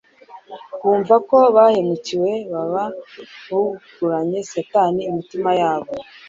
bumva ko bahemukiwe baba bugurunye Satani imitima yabo.